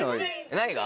何が？